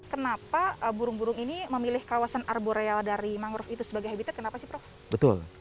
kenapa burung burung ini memilih kawasan arboreal dari mangrove itu sebagai habitat kenapa sih prof